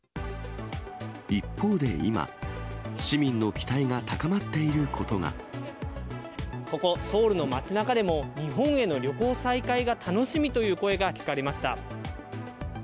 一方で今、市民の期待が高まってここ、ソウルの街なかでも、日本への旅行再開が楽しみという声が聞かれました。